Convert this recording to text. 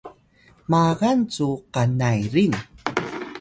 magal cu’ kanayril